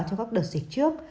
trong các đợt dịch trước